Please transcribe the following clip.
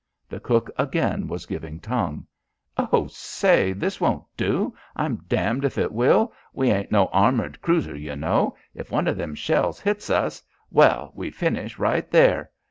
The cook again was giving tongue. "Oh, say, this won't do! I'm damned if it will! We ain't no armoured cruiser, you know. If one of them shells hits us well, we finish right there.